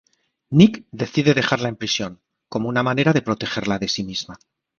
Nick decide dejarla en prisión, como una manera de protegerla de sí misma.